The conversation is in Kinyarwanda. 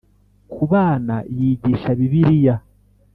kubana yigisha Bibiliya